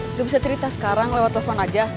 nggak bisa cerita sekarang lewat telepon aja